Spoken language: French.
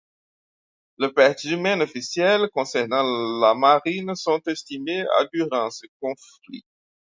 Les pertes humaines officielles concernant la marine sont estimées à durant ce conflit.